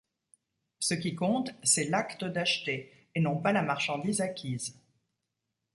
Ce qui compte, c'est l'acte d'acheter et non pas la marchandise acquise.